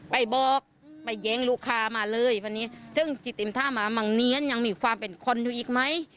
ไปบอกไปแย้งลูกค้ามาเลยวันนี้ถึงที่เต็มท่ามามังเนียนยังมีความเป็นคนอยู่อีกไหม